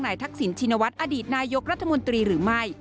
ทักษิณชินวัฒน์อดีตนายกรัฐมนตรีหรือไม่